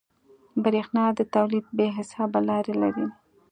برېښنا د تولید بې حسابه لارې لري.